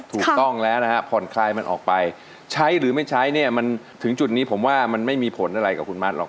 ผ่อนคลายมันออกไปใช้หรือไม่ใช้ถึงจุดนี้ผมว่ามันไม่มีผลอะไรกับคุณมัสหรอก